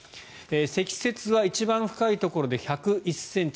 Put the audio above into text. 積雪は一番深いところで１０１ｃｍ。